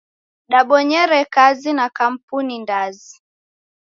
Dabonyere kazi na kampuni ndazi.